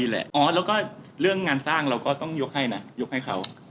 แล้วก็เรื่องงานสร้างเราก็ต้องยกให้นะยกให้เขา